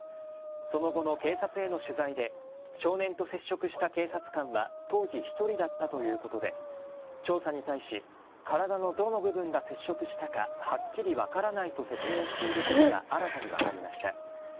その後の警察への取材で少年と接触した警察官は当時、１人だったということで調査に対し体のどの部分が接触したかはっきり分からないと説明していることが新たに分かりました。